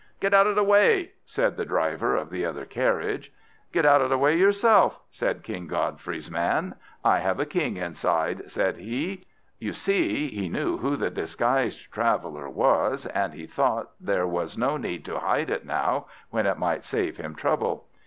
"Get out of the way!" said the driver of the other carriage. "Get out of the way yourself!" said King Godfrey's man. "I have a King inside," said he; you see, he knew who the disguised traveller was, and he thought there was no need to hide it now, when it might save him trouble.